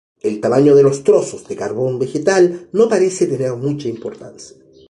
El tamaño de los trozos de carbón vegetal no parece tener mucha importancia.